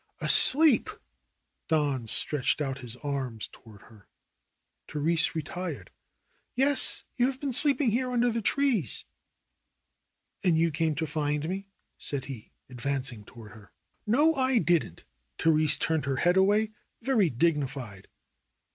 "Asleep !" Don stretched out his arms toward her. Therese retired. "Yes, you have been sleeping here under the trees." "And you came to find me?" said he, advancing to ward her. "No, I didn't!" Therese turned her head away, very dignified.